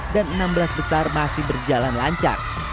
dan enam belas besar masih berjalan lancar